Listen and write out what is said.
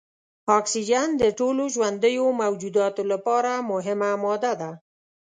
اکسیجن د ټولو ژوندیو موجوداتو لپاره مهمه ماده ده.